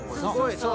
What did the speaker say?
そう。